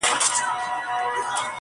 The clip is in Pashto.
زه دې د سترگو په سکروټو باندې وسوځلم!